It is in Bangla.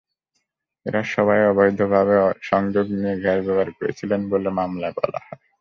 এঁরা সবাই অবৈধভাবে সংযোগ নিয়ে গ্যাস ব্যবহার করছিলেন বলে মামলায় বলা হয়।